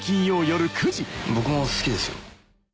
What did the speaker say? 僕も好きですよ。